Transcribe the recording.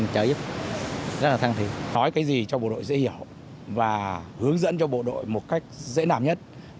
của thương tá kha